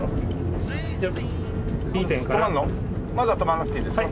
まだ止まらなくていいですか？